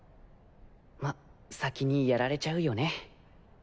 ま先にやられちゃうよね。